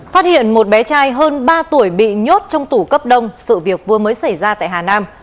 phát hiện một bé trai hơn ba tuổi bị nhốt trong tủ cấp đông sự việc vừa mới xảy ra tại hà nam